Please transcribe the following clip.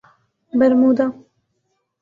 Bermuda